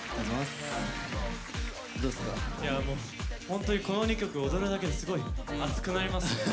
本当にこの２曲踊るだけですごい熱くなりますね。